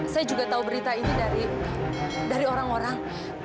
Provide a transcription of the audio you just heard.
saya juga tahu berita ini dari orang orang